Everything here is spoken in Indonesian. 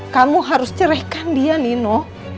kamu harus cerehkan dia nino